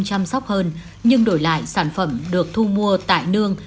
chăm sóc hơn nhưng đổi lại sản phẩm được thu mua tại nương